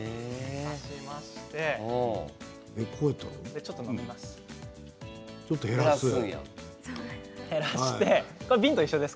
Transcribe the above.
ちょっと飲みます。